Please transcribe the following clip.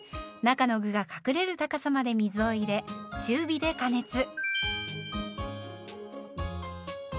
中の具が隠れる高さまで水を入れ中火で加熱。